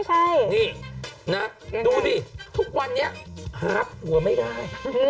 ใช่นี่นะดูดิทุกวันนี้หาผัวไม่ได้